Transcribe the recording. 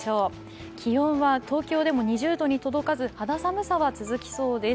気温は東京でも２０度は届かず肌寒さを感じそうです。